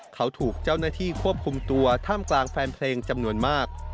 เขาถูกเจ้าหน้าที่ควบคุมตัวท่ามกลางแฟนเพลงจำนวนมาก